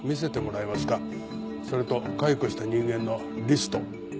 それと解雇した人間のリスト。